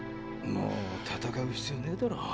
もう戦う必要ねぇだろ。